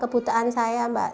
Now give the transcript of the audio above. kebutaan saya mbak